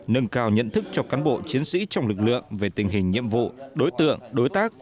nâng cao nhận thức cho cán bộ chiến sĩ trong lực lượng về tình hình nhiệm vụ đối tượng đối tác